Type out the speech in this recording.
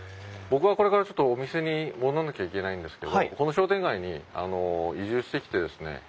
僕はこれからちょっとお店に戻んなきゃいけないんですけどこの商店街に移住してきてですね